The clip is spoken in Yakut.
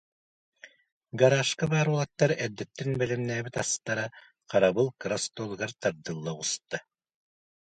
Гараажка баар уолаттар эрдэттэн бэлэмнээбит астара харабыл кыра остуолугар тардылла оҕуста